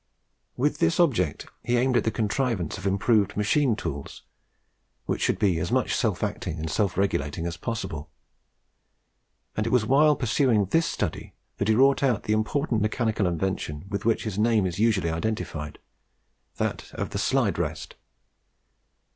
With this object he aimed at the contrivance of improved machine tools, which should be as much self acting and self regulating as possible; and it was while pursuing this study that he wrought out the important mechanical invention with which his name is usually identified that of the Slide Rest.